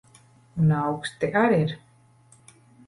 Un auksti ar ir.